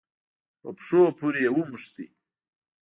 په پښو پورې يې ونښت.